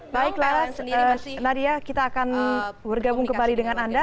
baiklah nadia kita akan bergabung kembali dengan anda